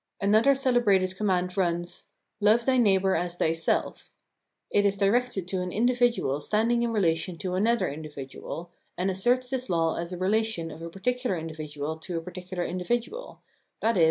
Another celebrated command runs :" Love thy neighbour as thyself." It is directed to an individual standing in relation to another individual, and asserts this law as a relation of a particular individual to a particular individual, i.e.